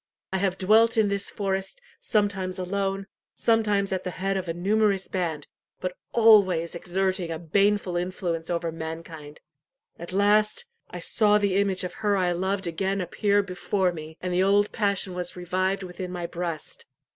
I have dwelt in this forest, sometimes alone, sometimes at the head of a numerous band, but always exerting a baneful influence over mankind. At last, I saw the image of her I loved again appear before me, and the old passion was revived within my breast.